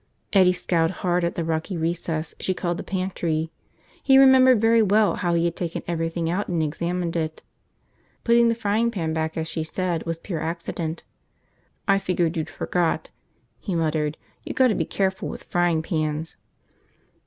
Eddie scowled hard at the rocky recess she called the pantry. He remembered very well how he had taken everything out and examined it. Putting the frying pan back as she said was pure accident. "I figured you'd forgot," he muttered. "You gotta be careful with frying pans."